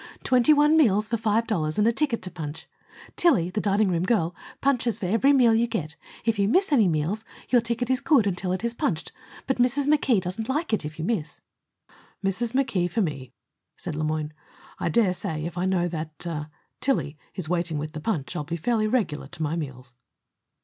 Twenty one meals for five dollars, and a ticket to punch. Tillie, the dining room girl, punches for every meal you get. If you miss any meals, your ticket is good until it is punched. But Mrs. McKee doesn't like it if you miss." "Mrs. McKee for me," said Le Moyne. "I daresay, if I know that er Tillie is waiting with the punch, I'll be fairly regular to my meals."